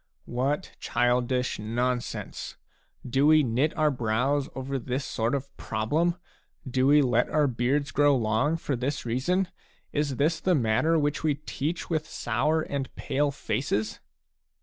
What childish non sense ! Do we knit our brows over this sort of problem ? Do we let our beards grow long for this reason? Is this the matter which we teach with sour and pale faces